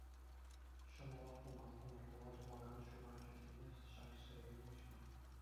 Ҫӑмӑлах пулмасть ӑмӑртӑва тухакан сухаҫӑсене ҫак ҫереме уҫма.